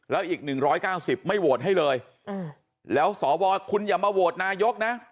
แล้วอีกหนึ่งร้อยเก้าสิบไม่โหวตให้เลยอืมแล้วสอวรคุณอย่ามาโหวตนายกนะ